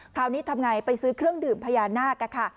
คราวนี้ทำไงไปซื้อเครื่องดื่มพญานาคค่ะ